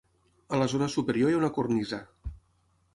A la zona superior hi ha una cornisa.